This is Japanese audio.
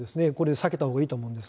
避けたほうがいいと思います。